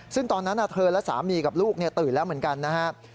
ซึ่งตอนนั้นเธอและสามีกับลูกตื่นแล้วเหมือนกันนะครับ